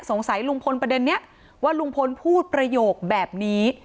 ลุงพลประเด็นนี้ว่าลุงพลพูดประโยคแบบนี้